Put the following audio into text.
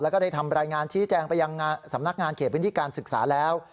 แล้วก็ได้ทำรายงานชี้แจงไปยังสำนักงานเขตพื้นที่การศึกษาแล้ว